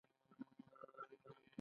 د ستورو څیړنه د ساینس یو مهم څانګی دی.